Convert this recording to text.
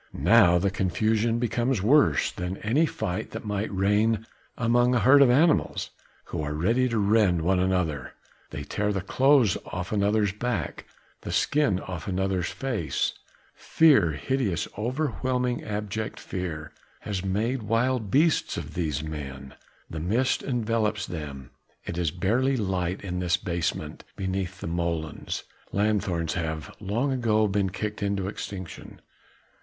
Now the confusion becomes worse than any that might reign among a herd of animals who are ready to rend one another: they tear the clothes off one another's back, the skin off one another's face: fear hideous, overwhelming, abject fear, has made wild beasts of these men. The mist envelops them, it is barely light in this basement beneath the molens: lanthorns have long ago been kicked into extinction.